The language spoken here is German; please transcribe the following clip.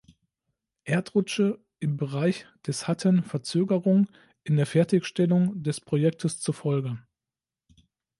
Erdrutsche im Bereich des hatten Verzögerung in der Fertigstellung des Projektes zur Folge.